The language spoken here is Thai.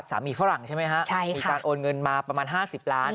ฝรั่งใช่ไหมฮะมีการโอนเงินมาประมาณ๕๐ล้าน